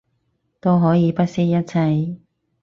都可以不惜一切